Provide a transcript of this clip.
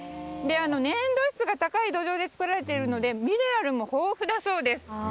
粘土質が高い土壌で作られているのでミネラルも豊富だそうです。